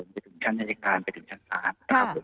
ไปถึงชั้นรายการไปถึงชั้นศาล